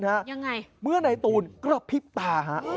ยังไงเมื่อนายตูนกระพริบตาฮะ